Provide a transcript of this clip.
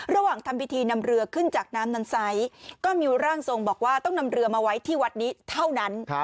ระหว่างทำพิธีนำเรือขึ้นจากน้ำนั้นไซส์ก็มีร่างทรงบอกว่าต้องนำเรือมาไว้ที่วัดนี้เท่านั้น